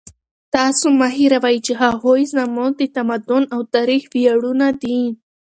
تاسو مه هېروئ چې هغوی زموږ د تمدن او تاریخ ویاړونه دي.